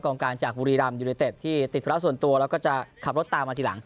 การจากบุรีรำยูเนเต็ดที่ติดธุระส่วนตัวแล้วก็จะขับรถตามมาทีหลัง